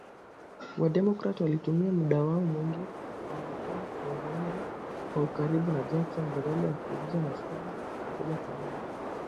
Wa-Democrat walitumia muda wao mwingi waliopewa kuzungumza kwa ukaribu na Jackson, badala ya kuuliza maswali ya moja kwa moja